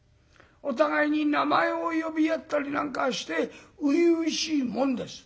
お互いに名前を呼び合ったりなんかして初々しいもんです。